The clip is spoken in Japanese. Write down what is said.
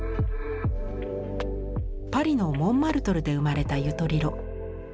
パリのモンマルトルで生まれたユトリロ。